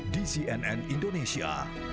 di cnn indonesia